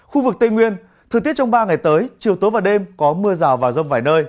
khu vực tây nguyên thời tiết trong ba ngày tới chiều tối và đêm có mưa rào và rông vài nơi